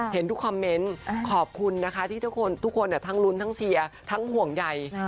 เห็นทุกคอมเมนต์ขอบคุณนะคะที่ทุกคนทั้งลุ้นทั้งเชียร์ทั้งห่วงใย